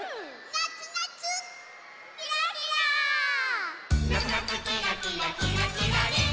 「なつなつキラキラキラキラリン！」